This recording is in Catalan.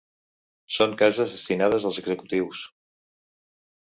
Són cases destinades als executius.